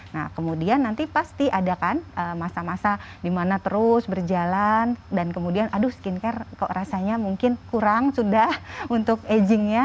nah kemudian nanti pasti ada kan masa masa dimana terus berjalan dan kemudian aduh skincare kok rasanya mungkin kurang sudah untuk agingnya